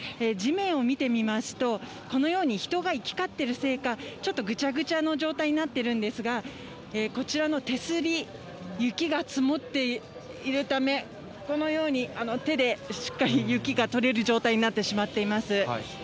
地面を見てみますと、このように人が行き交っているせいか、ちょっとぐちゃぐちゃの状態になっているんですが、こちらの手すり、雪が積もっているため、このように、手でしっかり雪が取れる状態になってしまっています。